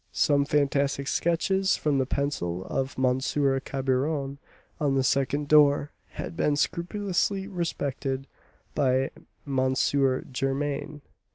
Some fantastic sketches from the pencil of M. Cabrion, on the second door, had been scrupulously respected by M. Germain.